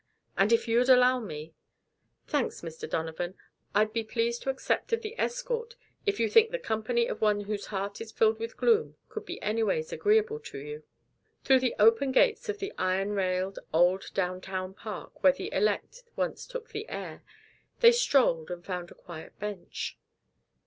And if you'd allow me " "Thanks, Mr. Donovan. I'd be pleased to accept of your escort if you think the company of one whose heart is filled with gloom could be anyways agreeable to you." Through the open gates of the iron railed, old, downtown park, where the elect once took the air, they strolled and found a quiet bench.